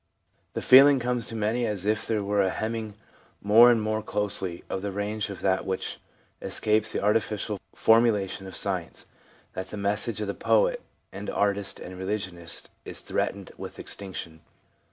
The feeling comes to many as if there were a hemming more and more closely of the range of that which escapes the artificial formulation of science, that the message of the poet and artist and religionist is threatened with extinction.